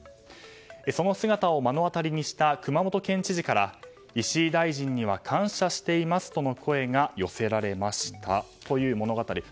その姿を目の当たりにした熊本県知事から石井大臣には感謝していますとの声が寄せられましたという物語。